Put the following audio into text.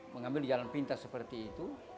mengambil jalan pintas seperti itu